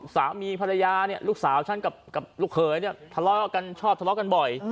สามีภรรยาเนี่ยลูกสาวฉันกับลูกเขยเนี่ยทะเลาะกันชอบทะเลาะกันบ่อย